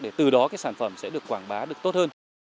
để từ đó cái sản phẩm sẽ được quảng bá được tốt hơn